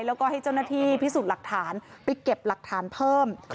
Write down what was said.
แล้วก็ให้เจ้าหน้าที่พิสูจน์หลักฐานไปเก็บหลักฐานเพิ่ม